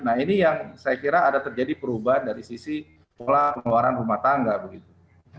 nah ini yang saya kira ada terjadi perubahan dari sisi pola pengeluaran rumah tangga begitu